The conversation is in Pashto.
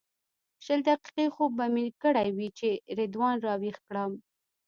شل دقیقې خوب به مې کړی وي چې رضوان راویښ کړم.